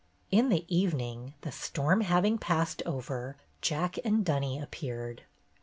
In the evening, the storm having passed over. Jack and Dunny appeared.